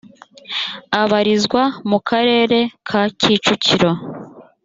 abarizwa mu karere ka kicukiro.